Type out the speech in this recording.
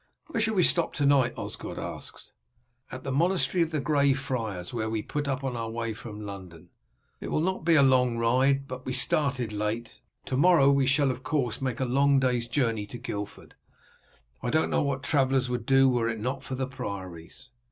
"Where shall we stop to night?" Osgod asked. "At the monastery of the Grey Friars, where we put up on our way from London. It will not be a long ride, but we started late. To morrow we shall of course make a long day's journey to Guildford. I don't know what travellers would do were it not for the priories."